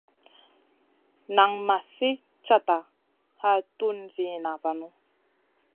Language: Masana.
Nan ma sli cata a tun ziyna vanu.